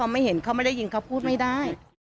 ไม่ได้